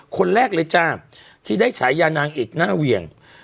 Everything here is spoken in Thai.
คนแรกเลยจ้าที่ได้ฉายานางเอกหน้าเหวี่ยง